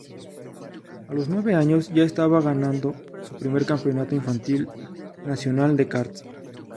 A los nueve años ya estaba ganando su primer Campeonato Infantil Nacional de Karts.